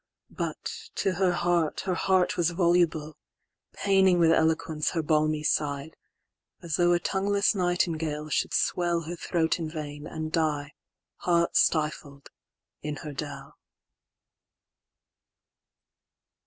But to her heart, her heart was voluble, Paining with eloquence her balmy side; As though a tongueless nightingale should swellHer throat in vain, and die, heart stifled, in her dell.